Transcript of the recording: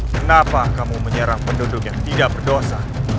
genapa kamu menyerah penduduk yang tidak berdosa